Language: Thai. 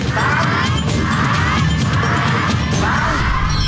เยี่ยมมาก